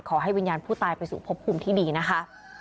ขอให้วิญญาณผู้ตายไปสู่พบภูมิที่ดีนะคะ